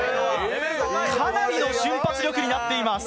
かなりの瞬発力になっています。